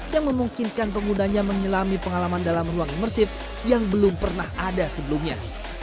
yang memungkinkan penggunanya menyelami pengalaman dalam ruang imersif yang belum pernah ada sebelumnya